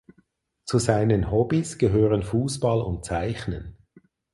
Zu seinen Hobbys gehören Fußball und Zeichnen.